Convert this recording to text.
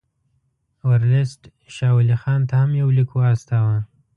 ورلسټ شاه ولي خان ته هم یو لیک واستاوه.